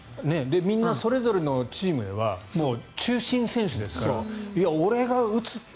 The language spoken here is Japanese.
みんなそれぞれのチームで中心選手ですから俺が打つって。